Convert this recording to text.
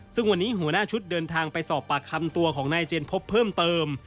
ซึ่งวันนี้หัวหน้าชุดเดินทางไปสอบปากคำตัวของนายเจนพบเพิ่มเติม